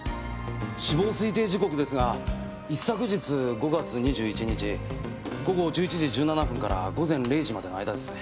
死亡推定時刻ですが一昨日５月２１日午後１１時１７分から午前０時までの間ですね。